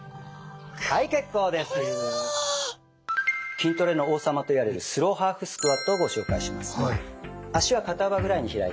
筋トレの王様といわれるスローハーフスクワットをご紹介します。